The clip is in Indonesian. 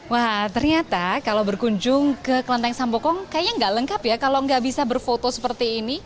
wah ternyata kalau berkunjung ke kelenteng sampokong kayaknya nggak lengkap ya kalau nggak bisa berfoto seperti ini